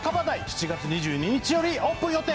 ７月２２日よりオープン予定。